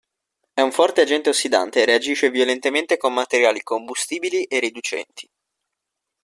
È un forte agente ossidante e reagisce violentemente con materiali combustibili e riducenti.